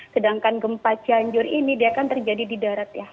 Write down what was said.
sedangkan gempa cianjur ini dia kan terjadi di darat ya